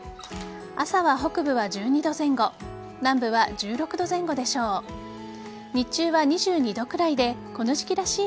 朝は北部は１２度前後南部は１６度前後でしょう。